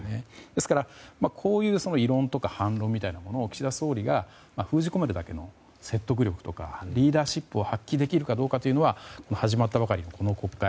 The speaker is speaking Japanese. ですから、こういう異論とか反論みたいなものを岸田総理が封じ込めるだけの説得力とかリーダーシップを発揮できるかどうかは始まったばかりのこの国会